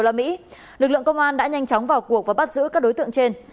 lực lượng công an đã nhanh chóng vào cuộc và bắt giữ các đối tượng trên